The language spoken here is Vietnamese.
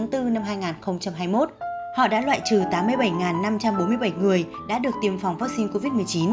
từ tháng hai năm hai nghìn hai mươi đến tháng bốn năm hai nghìn hai mươi một họ đã loại trừ tám mươi bảy năm trăm bốn mươi bảy người đã được tiêm phòng vaccine covid một mươi chín